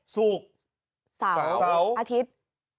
ศุกร์อาทิตย์สาว